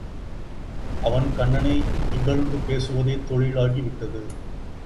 அவன் கண்ணனை இகழ்ந்து பேசுவதே தொழிலாகி விட்டது.